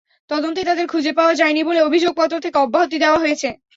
তদন্তে তাদের খুঁজে পাওয়া যায়নি বলে অভিযোগপত্র থেকে অব্যাহতি দেওয়া হয়েছে।